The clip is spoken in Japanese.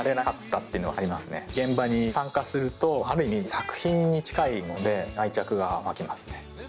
現場に参加するとある意味作品に近いので愛着が湧きますね。